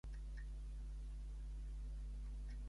Se recibió de abogado y se graduó de licenciado.